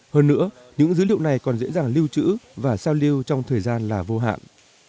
hơn nữa những dữ liệu này còn dễ dàng lưu trữ và sao lưu trong thời gian là vô hạn